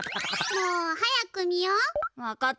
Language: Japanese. もう早く見よっ！